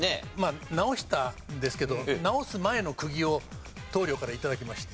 直したんですけど直す前の釘を棟梁から頂きまして。